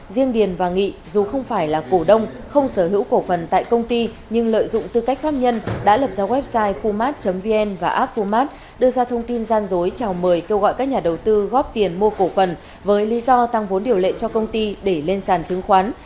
riêng điền và nghị dù không phải là cổ đông không sở hữu cổ phần tại công ty nhưng lợi dụng tư cách pháp nhân đã lập ra website fumat vn và app fumat đưa ra thông tin gian dối chào mời kêu gọi các nhà đầu tư góp tiền mua cổ phần với lý do tăng vốn điều lệ cho công ty để lên sàn chứng khoán